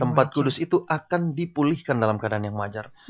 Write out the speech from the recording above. tempat kudus itu akan dipulihkan dalam keadaan yang wajar